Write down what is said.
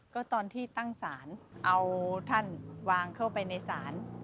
ก็ตอนที่ตั้งศาลเอาท่านวางเข้าไปในศาล